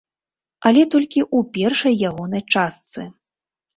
Але толькі ў першай ягонай частцы.